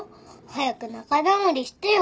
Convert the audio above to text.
早く仲直りしてよ。